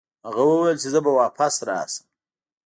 هغه وویل چې زه به واپس راشم.